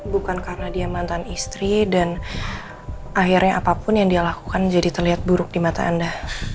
bukan karena dia mantan istri dan akhirnya apapun yang dia lakukan jadi terlihat buruk di mata anda